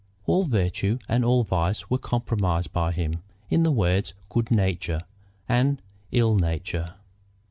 All virtue and all vice were comprised by him in the words "good nature" and "ill nature."